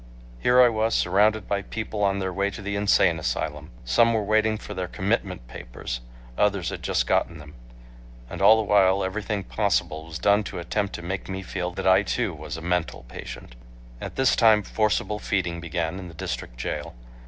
Here I was surrounded by people on their way to the insane asylum. Some were waiting for their commitment papers. Others had just gotten them. And all the while everything possible was done to attempt to make me feel that I too was a "mental patient." At this time forcible feeding began in the District Jail.